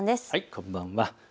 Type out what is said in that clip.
こんばんは。